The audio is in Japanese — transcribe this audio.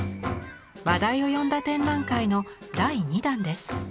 話題を呼んだ展覧会の第２弾です。